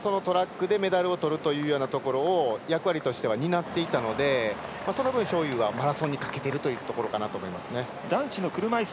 でも若手がトラックでメダルをとるというようなところ役割としては担っていたのでその分、章勇はマラソンにかけているというところかなと思いますね。